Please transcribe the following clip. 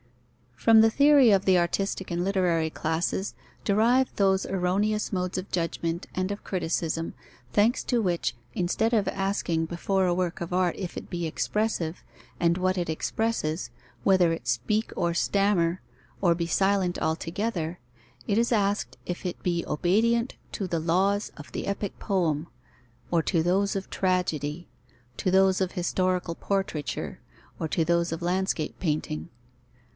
_ From the theory of the artistic and literary classes derive those erroneous modes of judgment and of criticism, thanks to which, instead of asking before a work of art if it be expressive, and what it expresses, whether it speak or stammer, or be silent altogether, it is asked if it be obedient to the laws of the epic poem, or to those of tragedy, to those of historical portraiture, or to those of landscape painting.